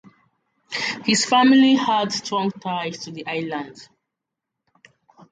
His family had strong ties to the island.